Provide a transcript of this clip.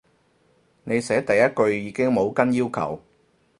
你寫第一句已經冇跟要求